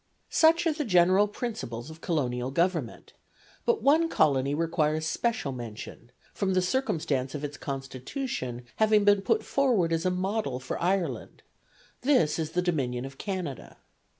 Such are the general principles of colonial government, but one colony requires special mention, from the circumstance of its Constitution having been put forward as a model for Ireland; this is the Dominion of Canada.